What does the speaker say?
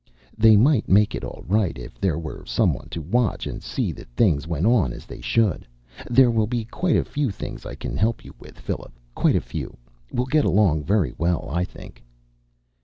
"They might make it all right, if there were someone to watch and see that things went as they should. There will be quite a few things I can help you with, Philip. Quite a few. We'll get along very well, I think."